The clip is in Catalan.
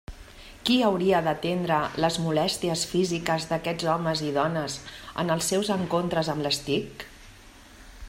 Qui hauria d'atendre les molèsties físiques d'aquests homes i dones en els seus encontres amb les TIC?